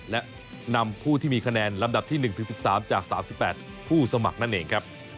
และนำผู้ที่มีคะแนนลำดับที่๑๑๓จาก๓๘ผู้สมัครนั่นเองครับ